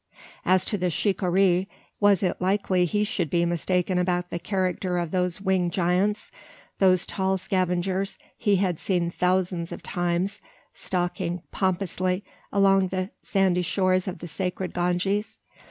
As to the shikaree, was it likely he should be mistaken about the character of those winged giants those tall scavengers he had seen thousands of times stalking pompously along the sandy shores of the sacred Ganges?